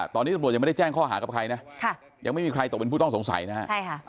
ตอนนี้ตำรวจยังไม่ได้แจ้งข้อหากับใครนะค่ะยังไม่มีใครตกเป็นผู้ต้องสงสัยนะฮะใช่ค่ะ